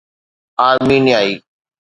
آرمينيائي